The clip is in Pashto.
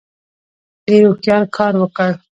ډېر هوښیار کار وکړ.